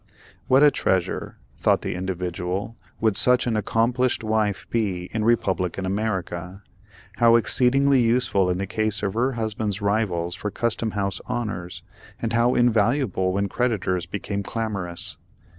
What a treasure, thought the "Individual," would such an accomplished wife be in republican America,—how exceedingly useful in the case of her husband's rivals for Custom house honors, and how invaluable when creditors become clamorous.